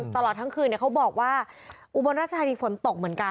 ตลอดทั้งคืนเขาบอกว่าอุบลราชธานีฝนตกเหมือนกัน